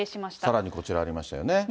さらにこちら、ありましたよね。